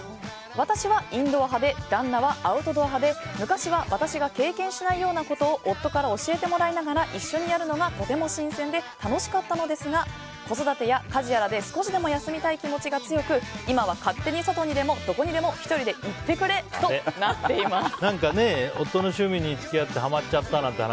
私はインドア派で旦那はアウトドア派で昔は私が経験しないようなことを夫から教えてもらいながら一緒にやるのがとても新鮮で楽しかったのですが子育てや家事やらで少しでも休みたい気持ちが強く今は勝手に外にでもどこにでも１人で行ってくれとなっています。